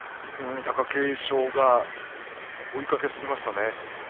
貴景勝が追いかけすぎましたね。